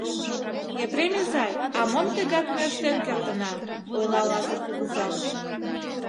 — Епрем изай, а мом тегак ме ыштен кертына, — ойла Лазыр кугыза.